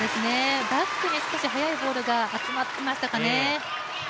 バックに少し速いボールが集まっていましたかね。